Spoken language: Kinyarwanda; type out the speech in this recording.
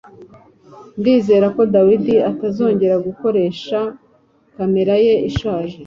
Ndizera ko David atazongera gukoresha kamera ye ishaje